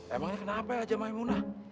emang ini kenapa hajah maymunah